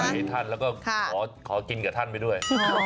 ให้ท่านแล้วก็ขอกินกับท่านไปด้วย